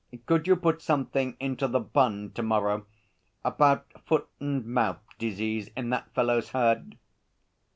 'Could you put something into The Bun to morrow about foot and mouth disease in that fellow's herd?'